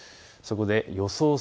そこで予想